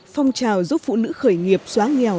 phong trào giúp phụ nữ khởi nghiệp xóa nghèo